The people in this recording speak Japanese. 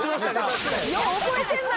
よう覚えてんな。